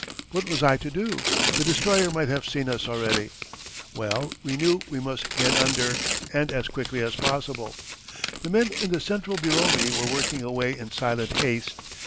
What was I to do? The destroyer might have seen us already! Well, we knew we must get under and as quickly as possible. The men in the central below me were working away in silent haste.